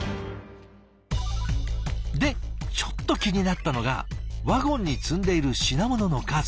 でちょっと気になったのがワゴンに積んでいる品物の数。